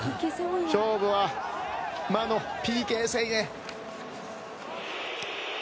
勝負は魔のＰＫ戦へ。